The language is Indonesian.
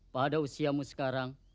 pada usiamu sekarang